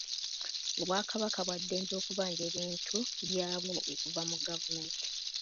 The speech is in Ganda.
Obwakabaka bwa ddembe okubanja ebintu byabwo okuva mu gavumenti.